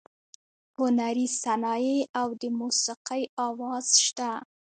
هنري صنایع او د موسیقۍ اواز شته.